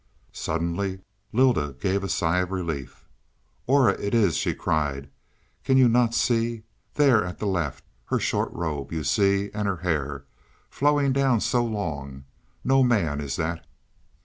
Suddenly Lylda gave a sigh of relief. "Aura it is," she cried. "Can you not see, there at the left? Her short robe you see and her hair, flowing down so long; no man is that."